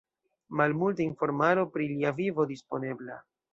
Malmulta informaro pri lia vivo disponebla.